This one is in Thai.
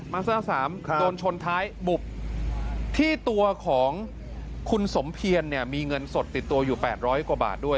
เซอร์๓โดนชนท้ายบุบที่ตัวของคุณสมเพียรเนี่ยมีเงินสดติดตัวอยู่๘๐๐กว่าบาทด้วย